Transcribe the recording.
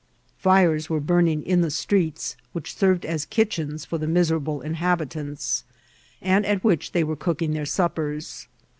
Fires were burning in the streets, which served as kitchens for the miserable inhabitants, and at which they were cooking their suppers.